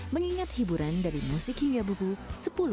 mengingat hiburan dari musik hingga buku